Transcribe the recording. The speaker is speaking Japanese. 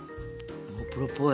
プロっぽい。